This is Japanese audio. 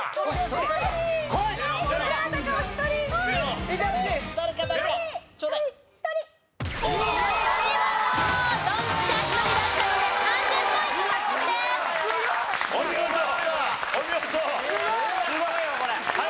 すごいよこれ！